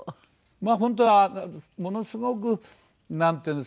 まあ本当はものすごくなんていうんですかね